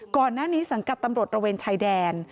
ก่อนหน้านี้สังกัดตำรวจระเวนชายแดน